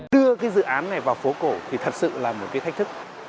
đưa cái dự án này vào phố cổ thì thật sự là một cái thách thức